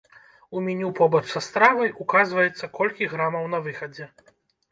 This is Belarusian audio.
У меню побач са стравай указваецца колькі грамаў на выхадзе.